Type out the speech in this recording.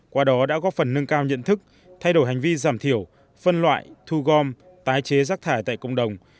qua đó đã góp phần nâng cao nhận thức thay đổi hành vi giảm thiểu phân loại thu gom tái chế rác thải tại cộng đồng